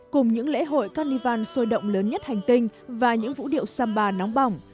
cùng những lễ hội carnival sôi động lớn nhất hành tinh và những vũ điệu samba nóng bỏng